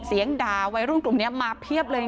เสียงด่าวัยรุ่นกลุ่มนี้มาเพียบเลย